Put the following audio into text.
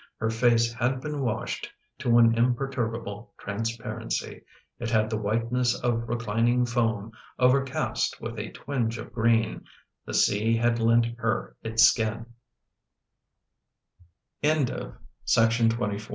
Her face had been washed to an imperturbable transparency: it had the whiteness of reclining foam overcast with & twinge of green — the sea had lent her it